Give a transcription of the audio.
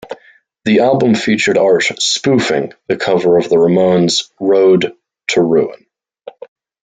The album featured art spoofing the cover of the Ramones' "Road to Ruin".